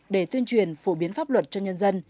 để tuyên truyền phổ biến pháp luật cho nhân dân